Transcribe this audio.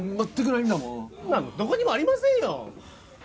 そんなんどこにもありませんよ